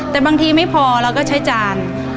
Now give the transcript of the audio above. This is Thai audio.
แต่บางทีไม่พอเราก็ใช้จาน